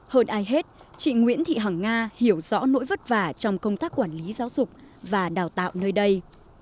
hơn ai hết chị nguyễn thị hằng nga hiểu rõ nỗi vất vả trong công tác quản lý giáo dục và đào tạo nơi đây